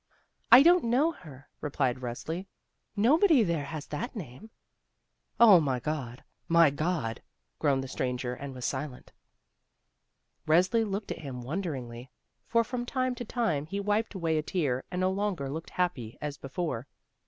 "I don't know her," replied Resli. "Nobody there has that name." "Oh, my God! my God!" groaned the stran ger, and was silent. Resli looked at him won deringly, for from time to time he wiped away a tear and no longer looked happy as before.